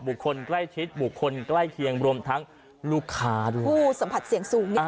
บุคคลใกล้ชิดบุคคลใกล้เคียงรวมทั้งลูกค้าด้วย